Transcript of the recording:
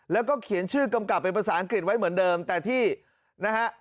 แล้วก็เขียนชื่อกำกับเป็นภาษาอังกฤษไว้เหมือนเดิมแต่ที่นะฮะ